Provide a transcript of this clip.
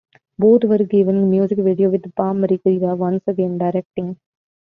Both were given music videos, with Bam Margera once again directing.